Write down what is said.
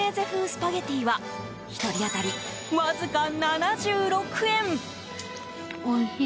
スパゲティは１人当たりわずか７６円。